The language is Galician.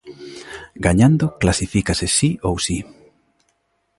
Gañando, clasifícase si ou si.